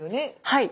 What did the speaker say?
はい。